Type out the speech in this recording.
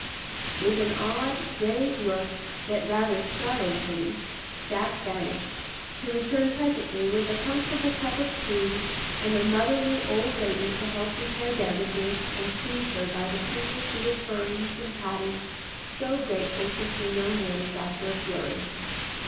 With an odd, grave look, that rather startled Kitty, Jack vanished, to return presently with a comfortable cup of tea and a motherly old lady to help repair damages and soothe her by the foolish little purrings and pattings so grateful to female nerves after a flurry.